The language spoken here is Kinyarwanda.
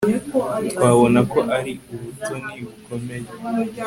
Twabona ko ari ubutoni bukomeye